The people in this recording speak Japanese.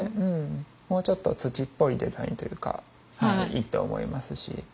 もうちょっと土っぽいデザインというかがいいと思いますし。